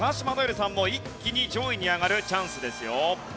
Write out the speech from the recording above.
留さんも一気に上位に上がるチャンスですよ。